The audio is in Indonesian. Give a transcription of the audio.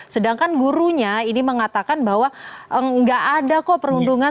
sedangkan gurunya ini mengatakan bahwa nggak ada kok perundungan